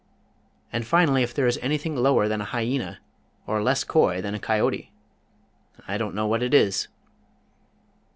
And finally if there is anything lower than a Hyena, or less coy than a Coyote, I don't know what it is.